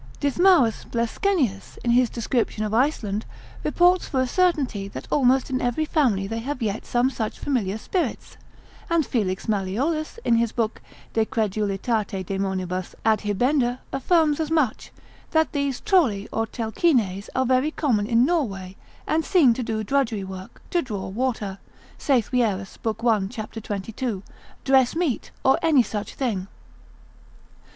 Dithmarus Bleskenius, in his description of Iceland, reports for a certainty, that almost in every family they have yet some such familiar spirits; and Felix Malleolus, in his book de crudel. daemon. affirms as much, that these trolli or telchines are very common in Norway, and seen to do drudgery work; to draw water, saith Wierus, lib. 1. cap. 22, dress meat, or any such thing.